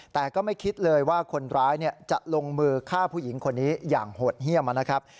แต่ก็ไม่คิดเลยว่าคนร้ายจะลงมือฆ่าผู้หญิงคนนี้อย่างโหดเยี่ยมนะครับ